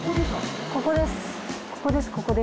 ここですか？